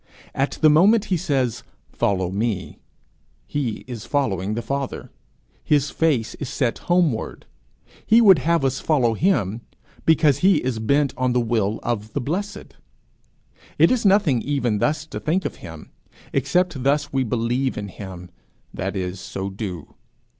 At the moment he says Follow me, he is following the Father; his face is set homeward. He would have us follow him because he is bent on the will of the Blessed. It is nothing even thus to think of him, except thus we believe in him that is, so do.